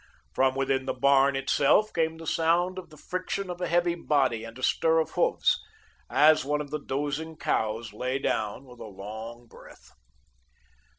From within the barn itself came the sound of the friction of a heavy body and a stir of hoofs, as one of the dozing cows lay down with a long breath.